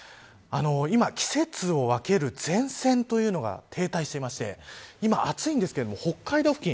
今、季節を分ける前線というのが停滞していて今、暑いんですけれども北海道付近